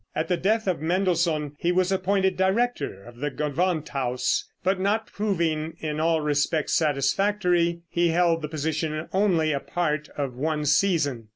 At the death of Mendelssohn he was appointed director of the Gewandhaus, but not proving in all respects satisfactory he held the position only a part of one season.